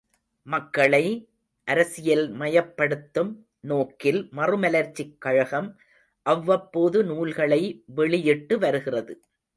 மக்களை அரசியல்மயப்படுத்தும் நோக்கில் மறுமலர்ச்சிக் கழகம் அவ்வப்போது நூல்களை வெளியிட்டுவருகிறது.